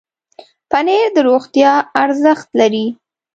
پنېر د روغتیا ارزښت لري.